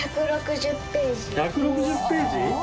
１６０ページ！？